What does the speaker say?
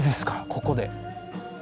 ここで。